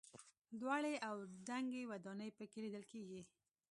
لوړې او دنګې ودانۍ په کې لیدل کېږي.